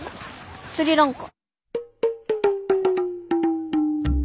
スリランカ。